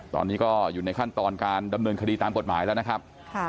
ตอนนี้ก็อยู่ในขั้นตอนการดำเนินคดีตามกฎหมายแล้วนะครับ